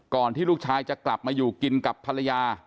ที่ลูกชายจะกลับมาอยู่กินกับภรรยา